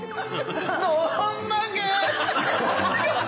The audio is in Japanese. どんだけ！